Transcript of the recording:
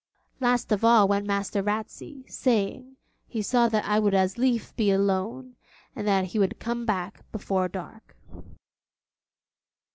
Last of all went Master Ratsey, saying, he saw that I would as lief be alone, and that he would come back before dark.